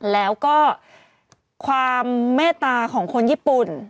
แล้วก็ความเมตตาของคนญี่ปุ่น